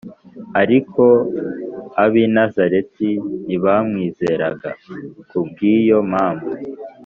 Ariko ab’ i Nazareti ntibamwizeraga. Kubw’iyo mpamvu,